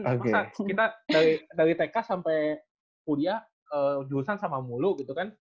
masa kita dari tk sampai punya jurusan sama mulu gitu kan